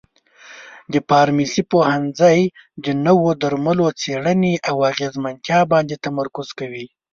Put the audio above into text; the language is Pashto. د فارمسي پوهنځی د نوو درملو څېړنې او اغیزمنتیا باندې تمرکز کوي.